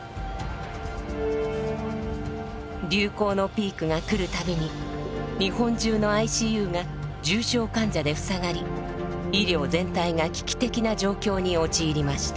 流行のピークが来る度に日本中のＩＣＵが重症患者で塞がり医療全体が危機的な状況に陥りました。